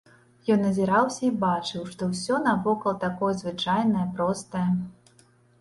Ён азіраўся і бачыў, што ўсё навокал такое звычайнае, простае.